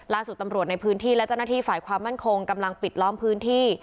ตำรวจในพื้นที่และเจ้าหน้าที่ฝ่ายความมั่นคงกำลังปิดล้อมพื้นที่